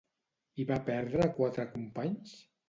Hi va perdre quatre companys?